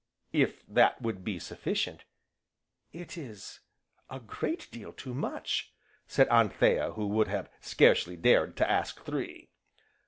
"If that would be sufficient " "It is a great deal too much!" said Anthea who would have scarcely dared to ask three.